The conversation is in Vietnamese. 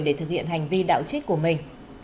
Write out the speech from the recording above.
để thực hiện hành vi đạo trích của mình